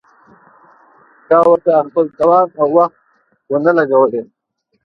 چا ورته خپل توان او وخت ونه لګولې.